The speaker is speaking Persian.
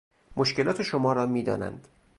مشکلات شما را میدانند